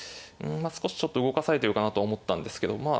まあ少しちょっと動かされてるかなと思ったんですけどまあ